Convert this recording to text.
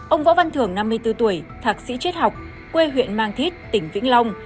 ông võ văn thưởng năm mươi bốn tuổi thạc sĩ triết học quê huyện mang thít tỉnh vĩnh long